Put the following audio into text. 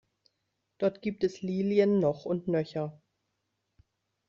Dort gibt es Lilien noch und nöcher.